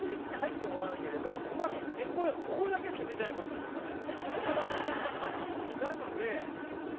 ここだけしか出てないことになりますからね。